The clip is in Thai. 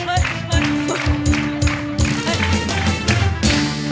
ตายมาก